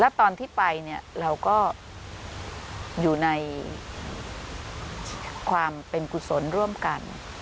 แล้วตอนที่ไปเนี่ยเราก็อยู่ในความเป็นกุศลร่วมกัน